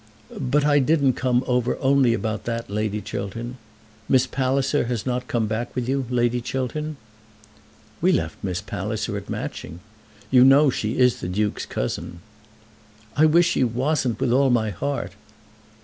"But I didn't come over only about that, Lady Chiltern. Miss Palliser has not come back with you, Lady Chiltern?" "We left Miss Palliser at Matching. You know she is the Duke's cousin." "I wish she wasn't, with all my heart."